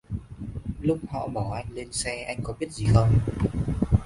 Lúc họ bỏ anh lên xe anh có biết gì không